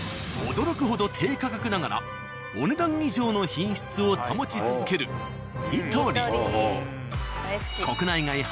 驚くほど低価格ながら「お、ねだん以上。」の品質を保ち続ける「ニトリ」。